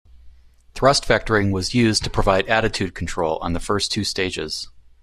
Thrust vectoring was used to provide attitude control on the first two stages.